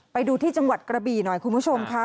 ไปดูที่จังหวัดกระบี่หน่อยคุณผู้ชมค่ะ